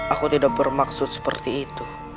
aku tidak bermaksud seperti itu